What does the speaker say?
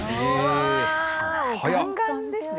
ガンガンですね。